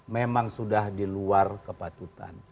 memang sudah diluar kepatutan